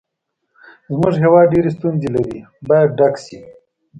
زموږ هېواد ډېرې ستونزې لري باید ډک شي.